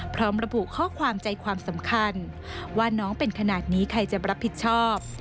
พร้อมระบุข้อความใจความสำคัญว่าน้องเป็นขนาดนี้ใครจะรับผิดชอบ